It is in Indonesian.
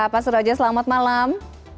pak surojo selamat malam